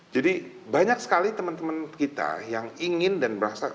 jadi banyak sekali teman teman kita yang ingin dan berhasil